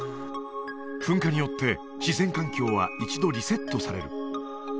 噴火によって自然環境は一度リセットされる